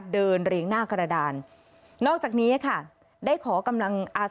เดินเรียงหน้ากระดาน